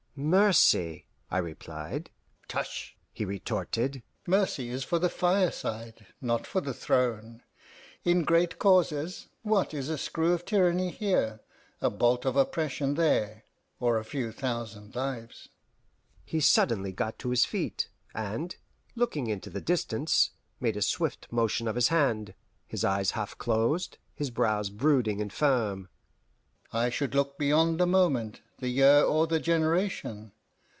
"Mercy," I replied. "Tush!" he retorted, "mercy is for the fireside, not for the throne. In great causes, what is a screw of tyranny here, a bolt of oppression there, or a few thousand lives!" He suddenly got to his feet, and, looking into the distance, made a swift motion of his hand, his eyes half closed, his brows brooding and firm. "I should look beyond the moment, the year, or the generation.